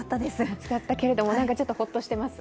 暑かったけれども、ちょっとホッとしてます？